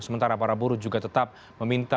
sementara para buruh juga tetap meminta